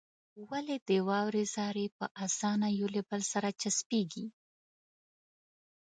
ولې د واورې ذرې په اسانه له يو بل سره چسپېږي؟